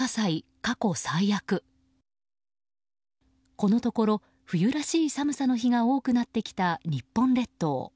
このところ冬らしい寒さの日が多くなってきた日本列島。